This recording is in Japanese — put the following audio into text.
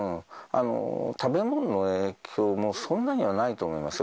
食べ物の影響もそんなにはないと思いますよ。